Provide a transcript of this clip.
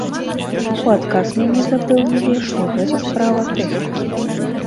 У адказ мяне запэўнілі, што гэта справа тэхнікі.